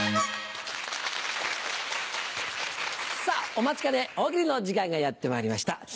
さぁお待ちかね大喜利の時間がやってまいりました。